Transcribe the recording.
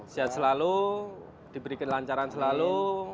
sehat selalu diberikan lancaran selalu